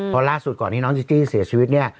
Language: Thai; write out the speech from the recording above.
เพราะล่าสุดก่อนที่น้องจิจี้เสียชีวิตเนี่ย